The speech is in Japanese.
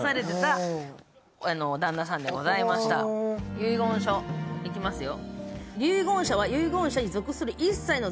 遺言書、いきますよ。